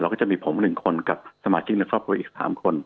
ก็จะมีผม๑คนกับสมาชิกในครอบครัวอีก๓คน